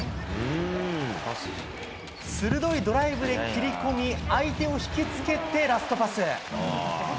鋭いドライブで切り込み相手を引きつけて、ラストパス。